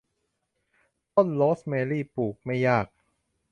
ต้นโรสแมรี่ปลูกไม่ยาก